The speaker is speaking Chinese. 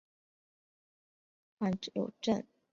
阮有政是乂安省英山府真禄县邓舍总东海社古丹村出生。